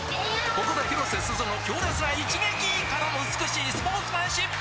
ここで広瀬すずの強烈な一撃！からの美しいスポーツマンシップ！